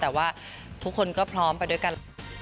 แต่ว่าทุกคนก็พร้อมไปด้วยกัน